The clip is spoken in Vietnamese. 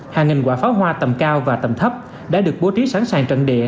hàng nghìn quả pháo hoa tầm cao và tầm thấp đã được bố trí sẵn sàng trận địa